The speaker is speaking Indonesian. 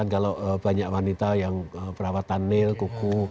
kalau banyak wanita yang perawatan nil kuku